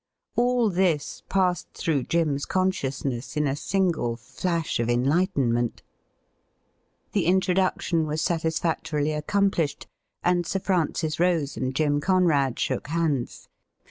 All this passed through Jim's consciousness in a single flash of enlightenment. The introduction was satisfactorily accomplished, and Sir Francis Rose and Jim Conrad shook hands.